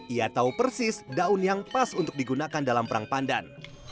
ia tahu persis daun yang pas untuk digunakan dalam perang pandan